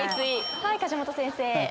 はい梶本先生。